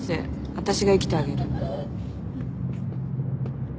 私が生きてあげる